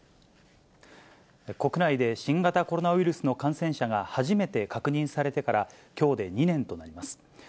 国内で新型コロナウイルスの感染者が初めて確認されてから、きょうで２年となります。